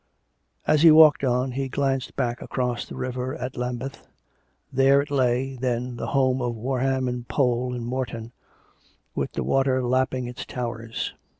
As he walked on, he glanced back across tTie river at Lambeth. There it lay, then, the home of Warham and Pole and Morton, with the water lapping its towers.